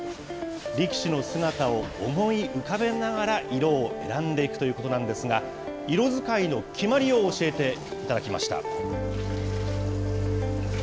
力士の姿を思い浮かべながら、色を選んでいくということなんですが、色使いの決まりを教えていただきました。